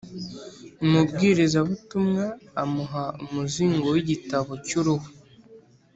Umubwirizabutumwa amuha umuzingo w’igitabo cy’uruhu